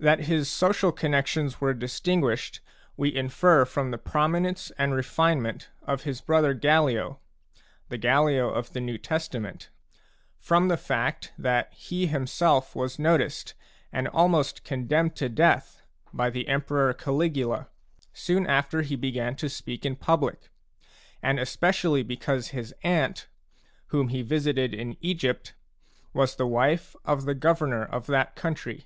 That his social connexions were distinguished we infer from the prominence and refinement of his brother Gallio, — the Gallio of the f New Testament, — from the fact that he himself was ! noticed and almost condemned to death by the Emperor Caligula soon after he began to speak in public, and especially because his aunt, whom he vii Digitized by INTRODUCTION visited in Egypt, was the wife of the governor of that country.